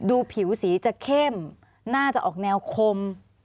ดูผิวสีจะเข้มน่าจะออกแนวคม